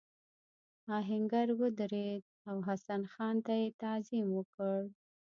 آهنګر ودرېد او حسن خان ته یې تعظیم وکړ.